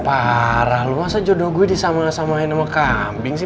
parah lo masa jodoh gue disamain sama kambing sih